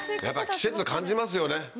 やっぱ季節感じますよね